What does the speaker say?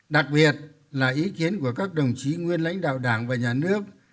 đặc biệt là ý kiến của các đồng chí nguyên lãnh đạo đảng và nhà nước